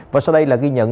và sau đây là ghi nhận